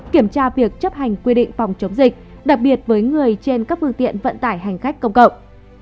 kiểm tra việc chấp hành quy định phòng chống dịch đặc biệt với người trên các phương tiện vận tải hành khách công cộng